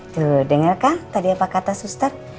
tuh denger kan tadi apa kata suster